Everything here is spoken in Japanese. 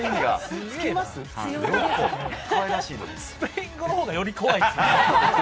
スペイン語のほうがより怖いですね。